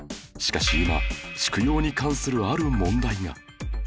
しかし今畜養に関するある問題が